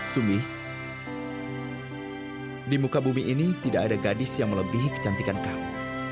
sumi di muka bumi ini tidak ada gadis yang melebihi kecantikan kamu